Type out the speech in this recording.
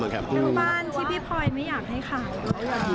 เป็นบ้านที่พี่พลอยไม่อยากให้ค่ะ